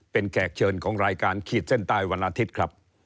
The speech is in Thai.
เป็นแขกเชิญของรายการขีดเส้นใต้วันอาทิตย์ครับ